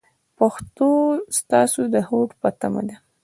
پښتو ستاسو د هوډ په تمه ده.